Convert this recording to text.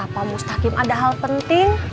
pak mustaqim ada hal penting